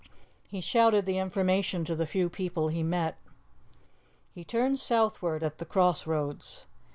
He shouted the information to the few people he met. He turned southward at the cross roads.